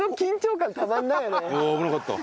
危なかった。